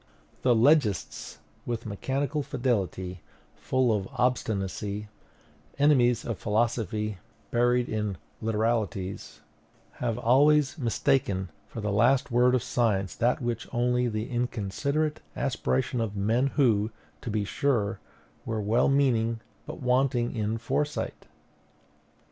The legists with mechanical fidelity, full of obstinacy, enemies of philosophy, buried in literalities have always mistaken for the last word of science that which was only the inconsiderate aspiration of men who, to be sure, were well meaning, but wanting in foresight.